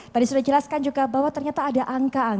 tadi sudah dijelaskan juga bahwa ternyata ada angka